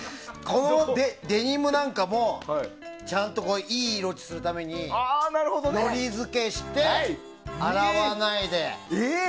このデニムなんかもちゃんといい色落ちするためにのり付けして洗わないで。